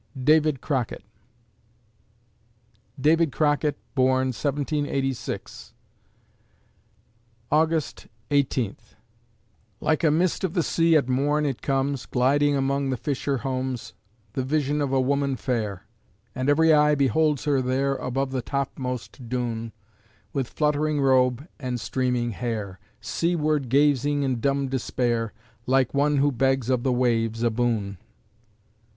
DAVID CROCKETT David Crockett born, 1786 August Eighteenth Like a mist of the sea at morn it comes, Gliding among the fisher homes The vision of a woman fair; And every eye beholds her there Above the topmost dune, With fluttering robe and streaming hair, Seaward gazing in dumb despair, Like one who begs of the waves a boon.